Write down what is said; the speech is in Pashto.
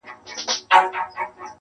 یو مرګ به تدریجي وي دا به لویه فاجعه وي,